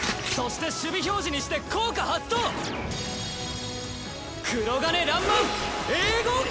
そして守備表示にして効果発動！